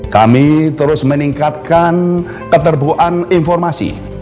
kami terus meningkatkan keterbuan informasi